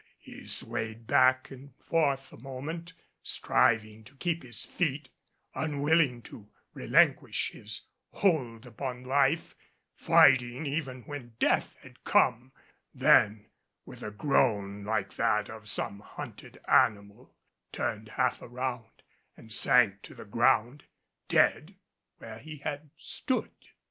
He swayed back and forth a moment, striving to keep his feet, unwilling to relinquish his hold upon life, fighting even when death had come; then, with a groan like that of some hunted animal, turned half around and sank to the ground, dead where he had stood.